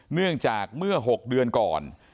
เนื่องจากเมื่อ๖เดือนก่อน